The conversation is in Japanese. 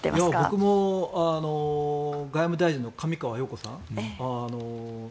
僕も外務大臣の上川陽子さん。